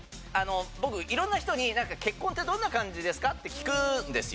僕色んな人に結婚ってどんな感じですか？って聞くんですよ